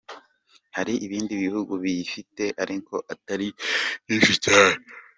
Hari ibindi bihugu biyifite ariko atari nyinshi cyane.